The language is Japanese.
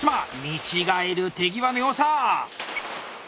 見違える手際の良さ！